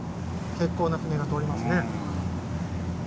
結構な船が通りますね。